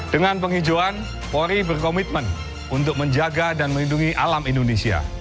dengan penghijauan polri berkomitmen untuk menjaga dan melindungi alam indonesia